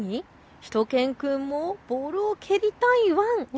しゅと犬くんもボールを蹴りたいワン！